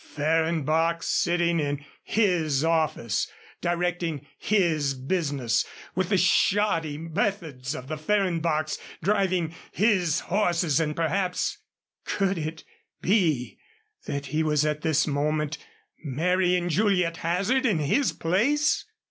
Fehrenbach, sitting in his office, directing his business with the shoddy methods of the Fehrenbachs, driving his horses, and perhaps could it be that he was at this moment marrying Juliet Hazard in his place?